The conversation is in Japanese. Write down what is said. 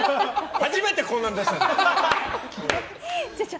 初めてこんなの出したじゃん。